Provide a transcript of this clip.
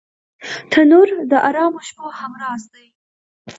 تنور د ارامو شپو همراز دی